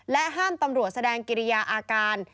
ห้ามตำรวจแสดงกิริยาอาการ